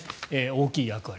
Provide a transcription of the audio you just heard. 大きい役割。